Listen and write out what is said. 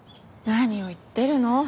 何を言ってるの？